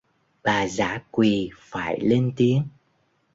Bà dã quỳ phải lên tiếng